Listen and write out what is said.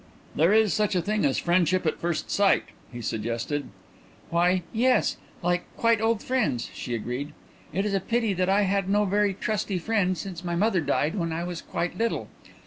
"There is such a thing as friendship at first sight," he suggested. "Why, yes; like quite old friends," she agreed. "It is a pity that I had no very trusty friend, since my mother died when I was quite little.